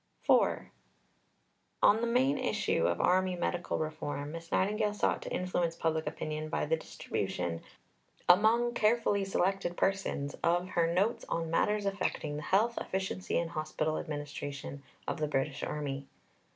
IV On the main issue of Army Medical Reform, Miss Nightingale sought to influence public opinion by the distribution among carefully selected persons of her Notes on Matters affecting the Health, Efficiency and Hospital Administration of the British Army.